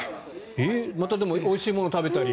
また、でもおいしいものを食べたり。